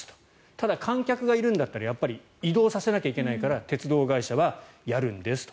ただ、観客がいるんだったらやっぱり移動させなきゃいけないから鉄道会社はやるんですと。